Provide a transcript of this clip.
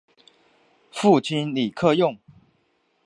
父亲李克用。